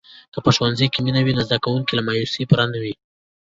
که په ښوونځي کې مینه وي، نو زده کوونکي له مایوسۍ پورې نه وي.